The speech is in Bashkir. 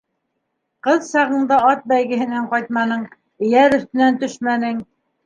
Ҡыҙ сағыңда ат бәйгеһенән ҡайтманың, эйәр өҫтөнән төшмәнең.